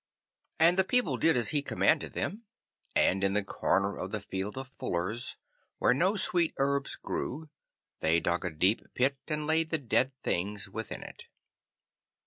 And the people did as he commanded them, and in the corner of the Field of the Fullers, where no sweet herbs grew, they dug a deep pit, and laid the dead things within it.